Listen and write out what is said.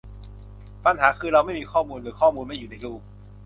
ปัญหาคือเราไม่มีข้อมูล หรือข้อมูลไม่อยู่ในรูป